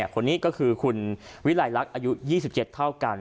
คนนี้ก็คือคุณวิลัยลักษณ์อายุ๒๗เท่ากัน